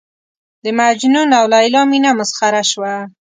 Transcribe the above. د مجنون او لېلا مینه مسخره شوه.